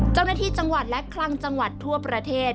เจ้าหน้าที่จังหวัดและคลังจังหวัดทั่วประเทศ